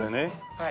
はい。